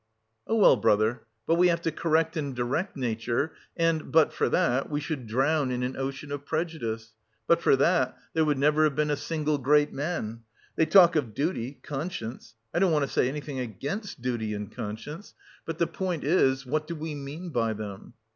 "Oh, well, brother, but we have to correct and direct nature, and, but for that, we should drown in an ocean of prejudice. But for that, there would never have been a single great man. They talk of duty, conscience I don't want to say anything against duty and conscience; but the point is, what do we mean by them?